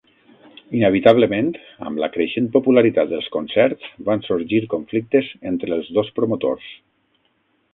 Inevitablement, amb la creixent popularitat dels concerts van sorgir "conflictes" entre els dos promotors.